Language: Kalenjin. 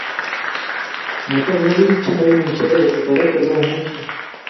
matonyalil che maimuchigei, otoret ole omuchi